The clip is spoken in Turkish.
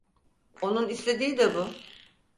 Onun istediği de bu.